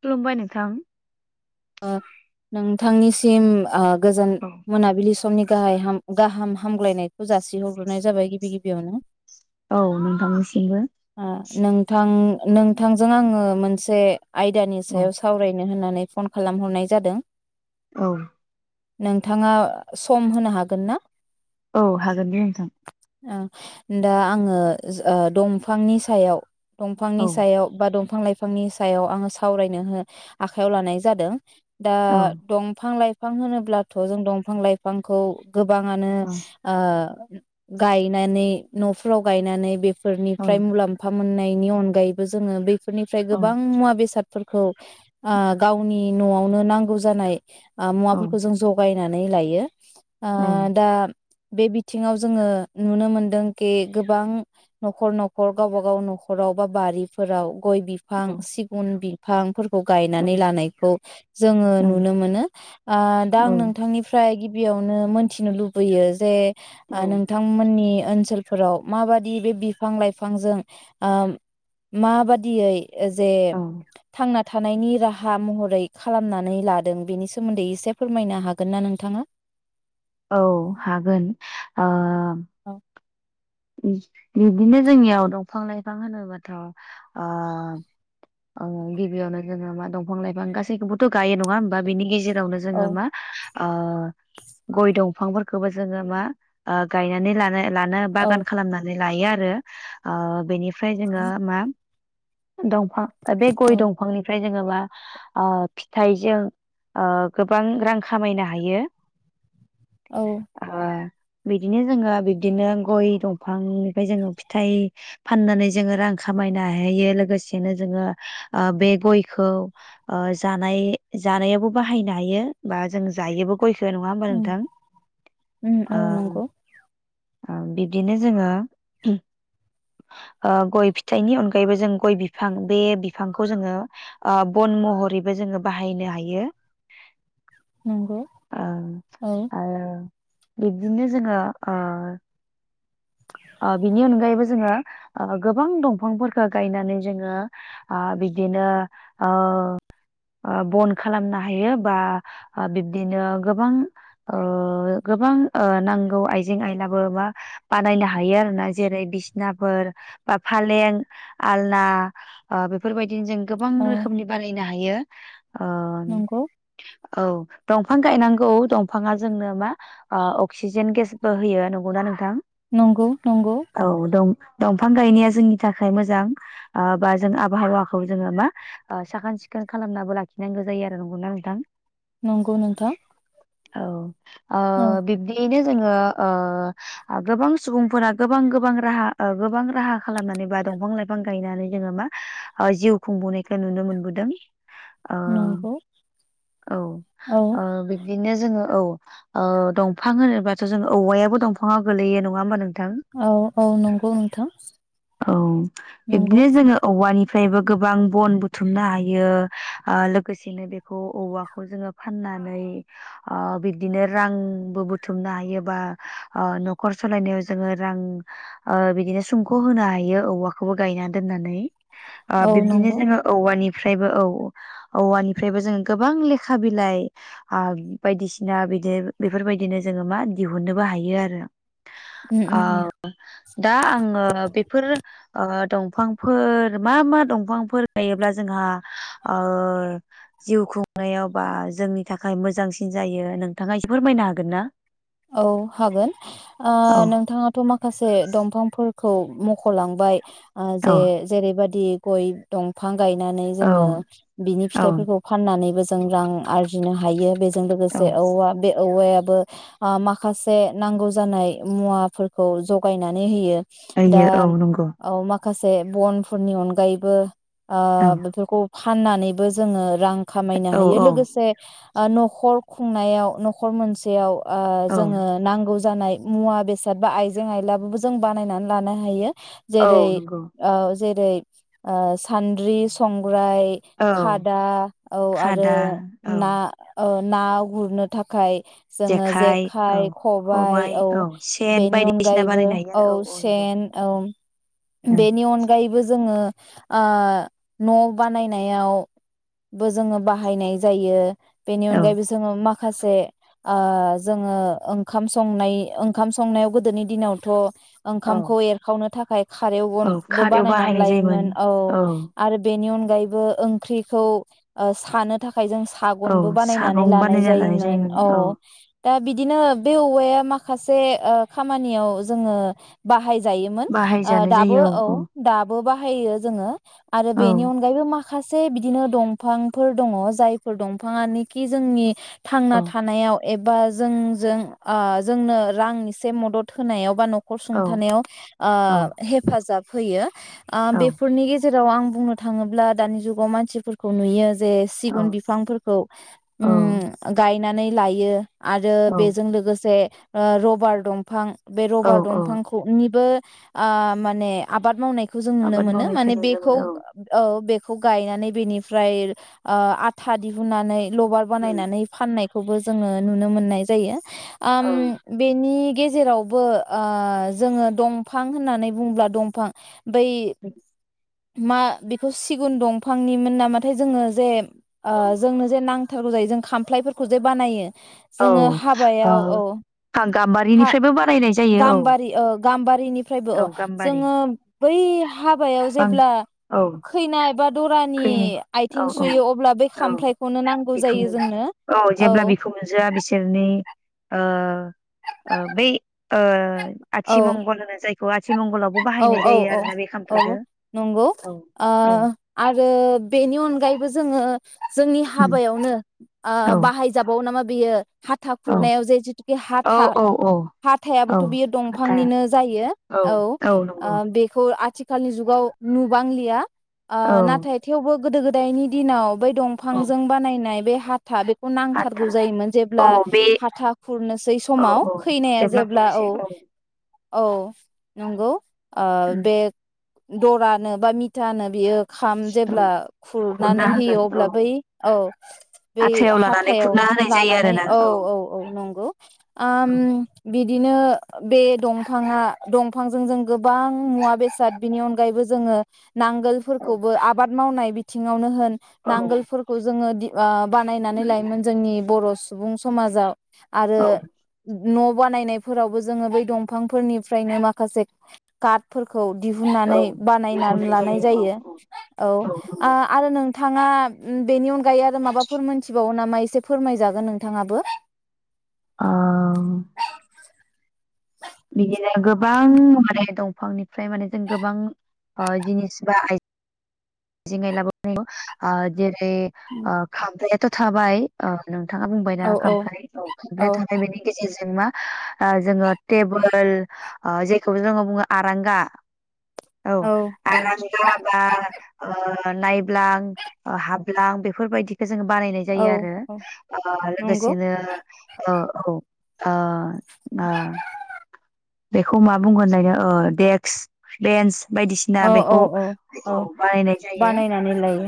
खुलुमबाय नोंथां नोंथांनिसिम गोजोन मोनाबिलि समनि गाहाय गाहाम हामग्लायनायखौ जासिहग्रोनाय जाबाय गिबि गिबियावनो औ नोंथांनिसिमबो ओ नोंथां नोंथांजों आंङो मोनसे आयदानि सायाव सावरायनो होननानै फन खालामहरनाय जादों औ नोंथाङा सम होनो हागोन ना औ हागोन दे नोंथां दा आङो दंफांनि सायाव दंफांनि औ सायाव बा दं बिफां लाइफांनि सायाव आङो सावरायनो हो आखायाव लानाय जादों दा औ दंफां लाइफां बिफां होनोब्लाथ' जों दंफां लाइफांखौ गोबाङानो औ गायनानै न'फ्राव गायनानै बे औ फोरनिफ्राय मुलाम्फा मोननाय नि अनगायैबो जोङो बेफोरनिफ्राय औ गोबां मुवा बेसाद फोरखौ ओ गावनि न'आवनो नांगौ जानाय औ मुवाफोरखौ जों जगाय नानै लायो ओ दा बे बिथिङाव जोङो नुनो मोनदोंखि गोबां न'खर न'खर गावबागाव न'खराव बा बारिफोराव गइ बिफां सिगुन बि हां फोर खौ गायनानै ला नायखौ जोङो नुनो मोनो ओ दा आं औ नोंथांनिफ्राय गि गिबियावनो मोनथिनो लुबैयो जे औ ओ नोंथांमोननि ओनसोलफोराव माबादि बे बिफां-लाइफांजों ओ माबादियै जे औ थांना थानायनि राहा हा महरै खालामनानै लादों बेनि सोमोन्दै एसे फोरमायनो हागोन ना नोंथाङा औ हागोन ओ औ बिदिनो जोंनियाव दंफां-लाइफां होनोबाथ ओ ओ गिबियावनो जोङो मा दंफां लाइफां गासैखौबोथ गायो नङा होमबा बेनि गेजेराव रावनो जोङो औ मा ओ गइ दंफांफोरखौबो जोङो मा ओ गायनानै लानाय लानो बागान औ नैलायो आरो ओ बेनि ओमफ्राय जोङो मा दंफां बे औ गइ दंफांनिफ्राय जोङोमा ओ फिथाइजों ओ गोबां रां खामायनो हायो औ ओ बिदिनो जोङो बिब्दिनो गइ दं बिफांनिफ्राय जोङो फिथाइ फाननानै जोङो रां खामायनो हायो लोगोसेनो जोङो ओ बे गइखौ ओ जानाय जानायावबो बाहायनो हायो बा जों जायोबो गइखौ नङाहोनबा उम नोंथां उम औ ओ नंगौ ओम बिदिनो जोङो ओ गइ फिथाइनि अनगायैबो जों गइ बिफां बे बिफांखौ जोङो ओ बन महरैबो जोङो बाहायनो हायो नंगौ ओ औ - ओ बिब्दिनो जोङो ओ ओ बिनि अनगायैबो जोङो ओ गोबां दंफांफोरखो गायनानै जोङो ओ बिब्दिनो ओ ओ बन खालामनो हायो बा बिब्दिनो गोबां ओ गोबां नांगौ आइजें आइलाबो बा बानायनो हायो आरो ना जेरै बिसनाफोर बा फालें आलना बेफोरबायदि दिनो जों गोबां औ रोखोमनि बानायनो हायो ओ नंगौ औ दंफां गायनांगौ दंफाङा जोंनो मा अक्सिजेन गेसबो होयो नंगौना नोंथां नंगौ - नंगौ औ दं दंफां गायनाया जोंनि थाखाय मोजां बा जों आबहावाखौ जोङो मा साखोन सिखोन खालामनाबो लाखिनांगौ जायो आरो नंगौना नोंथां नंगौ नोंथां औ ओ औ बिबदियैनो जोङो ओ आब गोबां सुबुंफोरा गोबां गोबां राहा गोबां राहा खालामनानै बा दंफां लाइफां गायनानै जोङो मा जिउ खुंबोनायखौ नुनो मोनबोदों ओ नंगौ औ औ ओ बिब्दिनो जोङो औ ओ दंफां होनोबाथ' जों औवायाबो दंफाङाव गोलैयो नङा होमा नों थां औ औ नंगौ नोंथां औ नंगौ बिब्दिनो जोङो औवानि फ्रायबो गोबां बन बुथुमनो हायो लोगोसेनो बेखौ औवाखौ जोङो फाननानै बिबदिनो रांबो बुथुमनो हायोबा न खर सालायनायाव जोङो रां ओ बिदिनो सुंख' होनो हायो औवाखौबो गायना दोननानै ओ औ बिब्दिनो नंगौ जोङो औवानि फ्रायबो औ औवानिफ्रायबो जों गोबां लेखा बिलाइ आ बायदिसिना बिदि बेफोरबायदिनो जोङो मा दिहुननोबो हायो आरो उम उम उम ओ दा आङो बेफोर दंफांफोर मा मा दंफांफोर गायोब्ला जोंहा ओ जिउ खुंनायाव बा जोंनि थाखाय मोजांसिन जायो नोंथाङा एसे फोरमायनो हागोन ना औ हागोन ओ औ नोंथाङाथ' माखासे दंफांफोर खौ मख'लांबाय औ जे जेरैबादि गय दंफां गायनानै जोङो औ बिनि औ फिथाइफोरखौ फानानैबो जोयो जों रां आरजिनो हायो बेजो जों औ लोगोसे औवा बे औवायाबो ओ माखासे नांगौ जानाय मुवाफोरखौ जगायनानै होयो दा होयो औ नंगौ औ माखासे बनफोरनि अनगायैबो ओ औ बेफोरखौ फाननानैबो जोङो रां खामायनो औ हायो औ लोगोसे ओ न'खर खुंनायाव न'खर मोनसेयाव ओ औ जोङो नांगौ जानाय मुवा बेसाद बा आइजें आयलाबो जों बानायनानै लानो हायो। जेरै औ नंगौ ओ जेरै ओ साद्रि संग ग्राय औ खादा औ आरो खादा औ ना ओ ना गुरनो थाखाय जोङो औ जेखाइ खबाइ औ सेन बेनि बायदिसिना अनगायैबो बानायनो हायो औ आरो नंगौ सेन औ औ बेनि अनगायैबो जोङो ओ न' बानायनायावबो जोङो बाहायनाय जायो। बेनि अनगायैबो जोङो माखा माखासे ओ जोङो ओंखाम संनाय ओंखाम संनायाव गोदोनि दिनावथ' औ ओंखामखौ एरखावनो थाखाय खारेव औ गनबो खारायाव बानायनानै बाहायनाय जायोमोन लायोमोन औ आरो बेनि अनगयै अनगायैबो ओंख्रिखौ सानो थाखाय ओंखय जों सागनबो बानायनानै लानाय जायोमोन औ। दा बिदिनो बे औवाया माखासे खामानियाव जोङो बाहाय जायोमोन ओ बाहायजानाय दाबो जायो औ दाबो बाह बाहायो जोङो आरो औ बेनि अनगायैबो माख माखासे बिदिनो दंफांफोर दङ जायफोर दंफाङानोखि जोंनि औ थांना थानायाव एबा बा जोंजों जोंनो रां एसे मदद होनायाव बा नख नखर औ सुंथानायाव औ ओ हेफाजाब होयो। ओ औ बेफोरनि गजेर जेराव आं बुंनो थाङोब्ला दानि जुगाव मानसिफोरखौ नुयो। जे औ सिगुन बिफांफोरखौ उम औ गाय नानै लायो। आरो औ बेजों लोगोसे। ओ रबार दंफां। बे औ रबार औ दंफांखौ निबो। ओ माने आबाद मावनाय। खो जों नुनो आबाद मोनो मावनायखौ माने नुनो बेखौ मोनो औ बे खौ गायनानै बेनिफ्राय ओ आथा दिहुननानै लबार बानायनानै फाननाय खौबो जोङो नुनो मोननाय जायो ओम औ बेनि गेजेरावबो ओ जोङो दंफां होननानै बुंब्ला दंफां बै मा बेखौ सिगुन दंफांनिमोन नामाथाय जोङो ओ जोंनो जे नां थारगौ जायो जों खामफ्लायफोरखौ जे बानायो। औ जोङो ओ हाबायाव औ हा गाम्बारिनिफ्रायबो बारायनाय जायो औ। गामबाद दैनिफ्रायबो औ गाम्बारि जोङो। बै हाबायाव बां जेब्ला औ खैनाय बा दरानि खै औ आथिं औ सुयो अब्ला बै औ खामफ्लायखौनो नांगौ जायो जोंनो औ जो आ बिसोरनि ओ ओ बै ओ आथि औ मंगल होनो जाय [unintelligible] थिमंगलावबो औ बाहायनाय औ जायो औ आरोना बे औ खामखाइखौ नंगौ औ ओ औ आरो बेनि अनगायैबो जोङो जोंनि हाबायावनो ओ औ बाहायजाबावो नामा बियो हाथा औ खुरनायाव जे जिथुके हाथा औ औ औ हाथाइाबोथ' बियो हाथा दंफांनिनो जायो औ ओ बेखौ आथि खालनि जुगाव नुबांलिया ओ औ नाथाय थेवबो गोदो गोदायनि दिनाव बै औ दंफांजों बानायनाय बे हाथ हाथा बेखौ हाथा नांथारगौ जायोमोन जेब्ला औ बे हाथा खुरनोसै औ समाव औ खैनाया जेब्ला औ खुरनोसै औ नंगौ ओ उम बे दरानो बा मिथानो बियो खाम औ जेब्ला खुरना खुरनानै होयो होगोन औ अब्ला बै औ बै आथायाव लानानै हाथायाव खुरना होनाय जायो लानानै आरोना औ औ औ नंगौ आम औ बि बिदिनो बे दंफाङा दंफांजों जों गोबां मुवा बेसाद बिनि अनगायैबो जोङो नांगोलफोरखौबो आबाद मावनाय बिथिङावनो होन औ नांगोलफोरखौ जोङो दि ओ बानायनानै लायोमोन जोंनि बर सुबुं समाजाव आरो औ न बानायनायफोरावबो जोङो बै दंफांफोरनिफ्रायनो माखासे खातफोरख खौ औ दिहुननानै बानायनानै लानाय जायो औ औ आ नंगौ आरो नों नोंथाङा बेनि अनगायै आरो माबाफोर मोनथिबावो नामा एसे फोरमायजागोन नोंथाङाबो आ बिदिनो गोबां माने दंफांनिफ्राय माने जों गोबां ओ जिनिस बा आइज आयजें आयला [unintelligible] ओ जेरै [inaudible] ओ [inaudible] थ थाबाय ओ नोंथाङा बुंबाय ना औ औ खामफ्लाय ओ औ बे थांबाय बेनि गेजेरजों जेनमा ओ जोङो टेबोल ओ जेखौबो जोङो बुङो आरांगा औ आरांगा बा ओ नायब्लां हाब्लां बेफोर बायदि बेखो जों बानायनाय औ औ जायो आरो औ ओ नंगौ लोगोसेनो ओ औ ओ आ बेखौ मा बुंगोन लायदा ओ देक्स बेन्स बायदि सिना औ औ बेखौ औ बानायनाय जायो बानायनानै औ लायो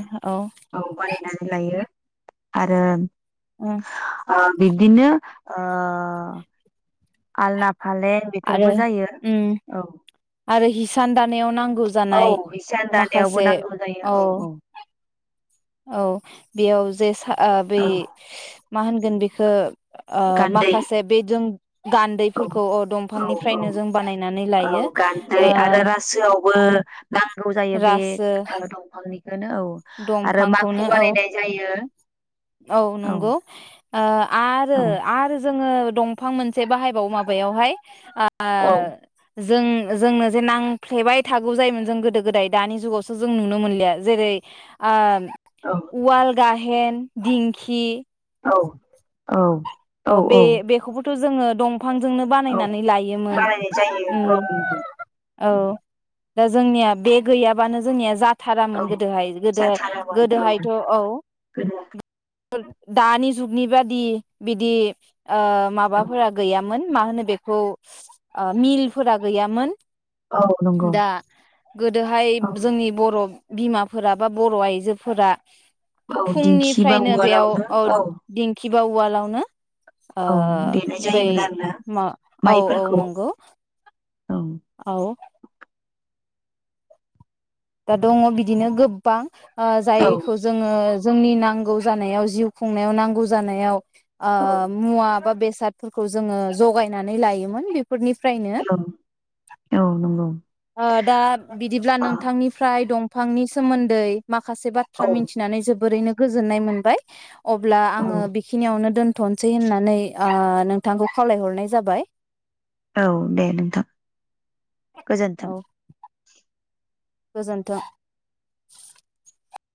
औ बानाय नानै लायो आरो ओं आ बिदिनो ओ आलना फालें आरो बेफोरबो जायो उम औ आरो हिसान दानायाव नांगौ औ जानाय हिसान दानायावबो माखासे नांगौ जायो औ। औ बेयाव जे सा ओ बै औ मा होनगोन बेखो ओ गान्दै माखासे बे जों गान्दै औ फोरखौ अ दंफां औ औ निफ्रायनो जों बानायनानै औ लायो गान्दै ओ गौ जायो बे ओ दंफांनि दंफां खौनो औ जायो औ नंगौ ओ आरो औ आरो जोङो दंफां मोनसे बाहाय बावो माबायाव हाय। आ औ [inaudible] जों जोंनो जे नांफ्लेबाय थागौ जायोमोन जों गोदो गोदाय दानि जुगावसो जों नुनो मोनलिया जेरै आ उवाल गाहे हेन दिंखि औ औ। औ बे बेखौ बोथ' जो जोङो दं फांजोंनो औ बानायनानै लायोमोन बानायनाय जायो उम औ नंगौ औ। दा जोंनिया बे गैयाबानो जोंनिया जा औ थारामोन गोदो हाय गोदो जाथारामोन गोदो औ हायथ' औ गोदो दानि जुगनि बादि। बिदि। ओ औ माबाफोरा गैयामोन। मा होनो बेखौ ओ मिलफोरा गैयामोन। औ नंगौ दा औ गोदोहायब जोंनि बर' बिमाफोरा बा बर' आइजोफोरा। औ दिंखि बा उवालावनो औ। खिबा उवालाव ना। ओ औ देनाय बै जायोमोन आरोना मा औ औ माइफोरखौ नंगौ। औ औ। दा दङ' बिदिनो गोब्बां। ओ औ जायखौ जोङो जोंनि नांगौ जानायाव जिउ खुंनायाव नांगौ जानायाव ओ औ मुवा बा बेसा बेसादफोरखौ जोङो जगायनानै लायोमोन बे बेफोरनिफ्रायनो औ औ नंगौ ओ दा बिदिब्ला अ नों फ्राय दंफांनि सोमोन्दै माखासे औ बाथ्रा मिथिनानै जोबोरैनो गोजोननाय मोनबाय अब्ला औ आङो बेखिनियावनो दोन दोथनोसै होननानै ओ नोंथांखौ खावलायहरनाय जाबाय औ दे नोंथां गोजोन्थों। औ गोजोन्थों।